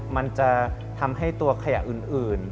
มันจะทำให้ตัวขยะอื่น